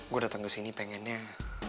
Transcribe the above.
gue datang ke sini pengennya